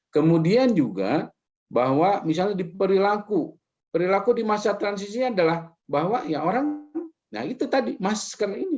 kemudian juga bahwa misalnya di perilaku perilaku di masa transisi adalah bahwa ya orang nah itu tadi masker ini